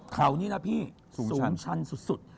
เขานี่นะพี่สูงชันสุด